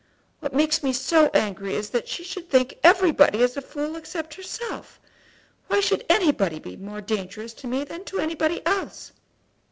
What makes me so angry is that she should think everybody is a fool except herself. Why should anybody be more dangerous to me than to anybody else?"